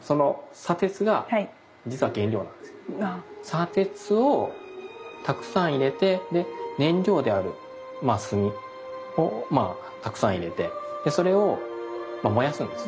砂鉄をたくさん入れてで燃料であるまあ炭をまあたくさん入れてでそれをまあ燃やすんです。